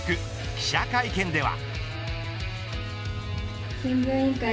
記者会見では。